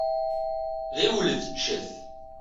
Ɣiwlet ččet.